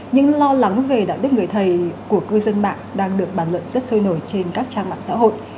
những lo lắng về đạo đức người thầy của cư dân mạng đang được bàn luận rất sôi nổi trên các trang mạng xã hội